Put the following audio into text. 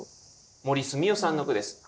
森澄雄さんの句です。